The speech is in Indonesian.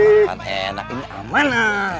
makan enak ini aman lah